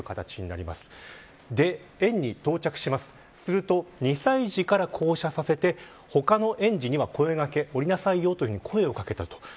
園に到着します、すると２歳児から降車させて他の園児には声掛け、降りなさいよと声を掛けたという。